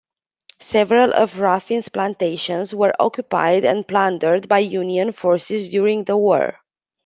Several of Ruffin's plantations were occupied and plundered by Union forces during the war.